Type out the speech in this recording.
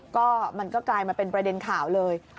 ก็มันก็กลายมาเป็นประเด็นข่าวเลย